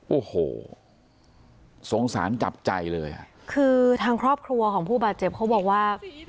โอ้โหสงสารจับใจเลยอ่ะคือทางครอบครัวของผู้บาดเจ็บเขาบอกว่า